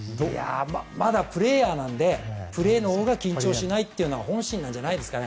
まだプレーヤーなのでプレーのほうが緊張しないというのが本心じゃないですかね。